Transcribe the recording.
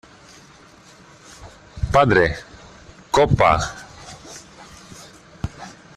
¡ padre, copa!